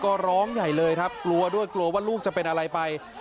ก็ร้องใหญ่เลยครับกลัวด้วยกลัวว่าลูกจะเป็นอะไรไป